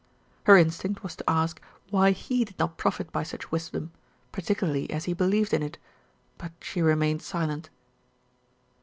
Her instinct was to ask why he did not profit by such wisdom, particularly as he believed in it; but she remained silent.